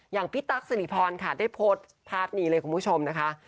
อย่างพี่ตั๊กสิริพรค่ะได้โพสต์ภาพนี้เลยคุณผู้ชมนะคะ